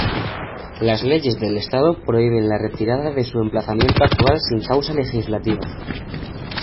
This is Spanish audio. Las leyes del Estado prohíben la retirada de su emplazamiento actual sin causa legislativa.